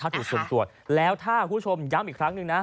ถ้าถูกส่งตรวจแล้วถ้าคุณผู้ชมย้ำอีกครั้งหนึ่งนะ